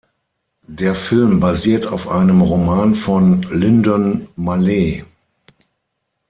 Der Film basiert auf einem Roman von Lyndon Mallet.